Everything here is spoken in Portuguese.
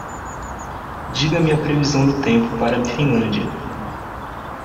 Diga-me a previsão do tempo para a Finlândia